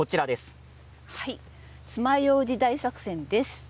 つまようじ大作戦です。